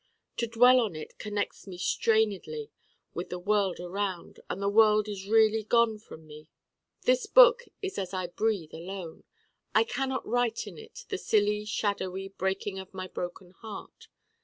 To dwell on it connects me strainedly with the world around, and the world is really gone from me. This book is I as I breathe alone. I cannot write in it the silly shadowy Breaking of my Broken Heart.